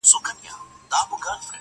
له سرو خولیو لاندي اوس سرونو سور واخیست,